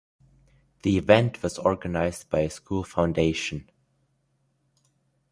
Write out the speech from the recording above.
The event was organized by a school foundation.